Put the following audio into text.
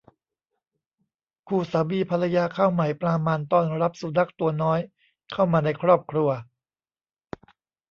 คู่สามีภรรยาข้าวใหม่ปลามันต้อนรับสุนัขตัวน้อยเข้ามาในครอบครัว